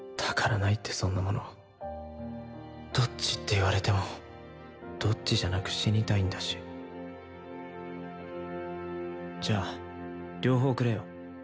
ないってそんなものどっちって言われてもどっちじゃなく死にたいんだしじゃあ両方くれよ